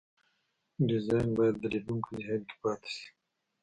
ډیزاین باید د لیدونکو ذهن کې پاتې شي.